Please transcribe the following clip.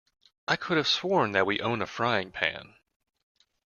I could have sworn that we own a frying pan.